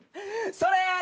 それ！